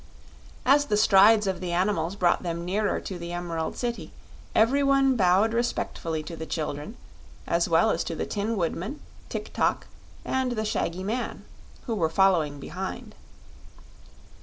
As the strides of the animals brought them nearer to the Emerald City every one bowed respectfully to the children, as well as to the Tin Woodman, Tik tok, and the shaggy man, who were following behind.